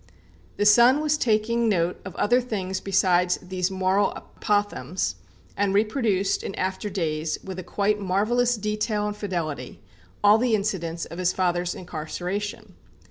The son was taking note of other things besides these moral apothegms, and reproduced, in after days, with a quite marvellous detail and fidelity, all the incidents of his father's incarceration.